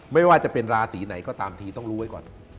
ไม่ว่าจะเป็นราศีไหนก็ตามทีต้องรู้ไว้ก่อน